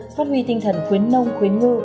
phát huy tinh thần khuyến nông khuyến ngư